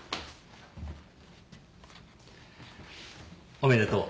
おめでとう。